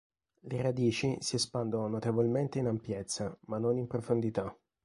Le radici si espandono notevolmente in ampiezza, ma non in profondità.